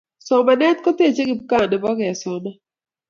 somanet kotechei kipkaa nepo kesoman